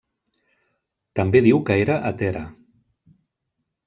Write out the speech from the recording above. També diu que era hetera.